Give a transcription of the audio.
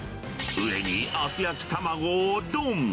上に厚焼き卵をどん。